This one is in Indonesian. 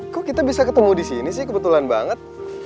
kok kita bisa ketemu disini sih kebetulan banget